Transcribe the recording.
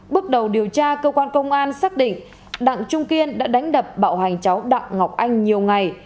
bước đầu điều tra cơ quan công an xác định đặng trung kiên đã đánh đập bạo hành cháu đặng ngọc anh nhiều ngày